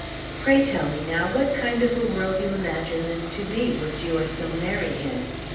Pray tell me, now, what kind of a world you imagine this to be, which you are so merry in."